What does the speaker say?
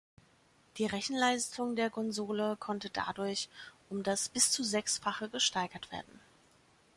Die Rechenleistung der Konsole konnte dadurch um das bis zu Sechsfache gesteigert werden.